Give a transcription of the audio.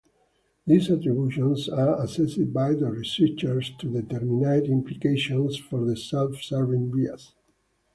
These attributions are assessed by the researchers to determine implications for the self-serving bias.